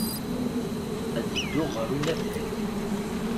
Ad dduɣ ɣer unafag.